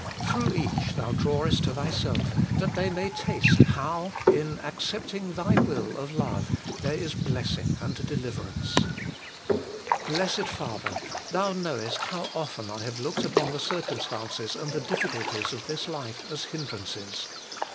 Through each Thou drawest to Thyself, that they may taste how, in accepting Thy Will of Love, there is blessing and deliverance. Blessed Father ! Thou knowest how often I have looked upon the circumstances and the diffi culties of this life as hindrances.